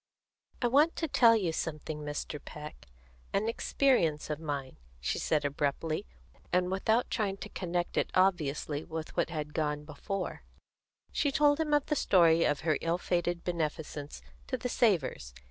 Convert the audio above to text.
"I want to tell you something, Mr. Peck an experience of mine," she said abruptly, and without trying to connect it obviously with what had gone before, she told him the story of her ill fated beneficence to the Savors.